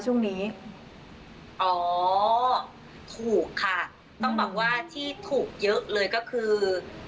ช่วงนี้อ๋อถูกค่ะต้องบอกว่าที่ถูกเยอะเลยก็คือ